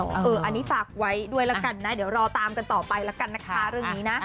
อันนี้ฝากไว้ด้วยแล้วกันนะเดี๋ยวรอตามกันต่อไปแล้วกันนะคะเรื่องนี้นะ